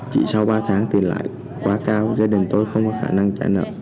chỉ sau ba tháng tiền lãi quá cao gia đình tôi không có khả năng trả nợ